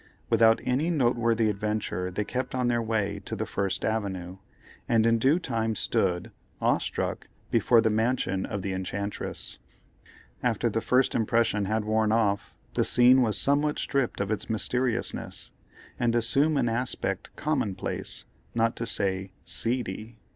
Without any noteworthy adventure they kept on their way to the First Avenue, and in due time stood, awe struck, before the mansion of the enchantress. After the first impression had worn off, the scene was somewhat stripped of its mysteriousness, and assumed an aspect commonplace, not to say seedy.